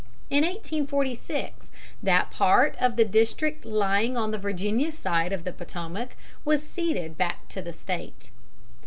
In 1846 that part of the District lying on the Virginia side of the Potomac was ceded back to the State.